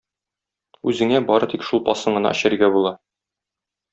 Үзеңә бары тик шулпасын гына эчәргә була.